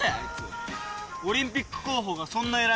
オリンピック候補がそんな偉いのか！